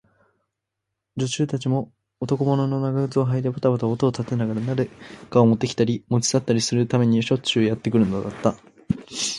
女中たちも、男物の長靴をはいてばたばた音を立てながら、何かをもってきたり、もち去ったりするためにしょっちゅうやってくるのだった。